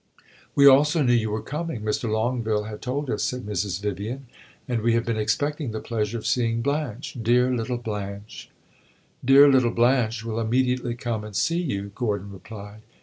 "We also knew you were coming Mr. Longueville had told us," said Mrs. Vivian; "and we have been expecting the pleasure of seeing Blanche. Dear little Blanche!" "Dear little Blanche will immediately come and see you," Gordon replied.